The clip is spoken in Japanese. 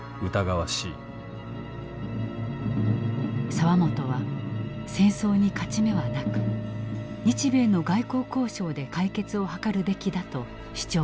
澤本は戦争に勝ち目はなく日米の外交交渉で解決を図るべきだと主張した。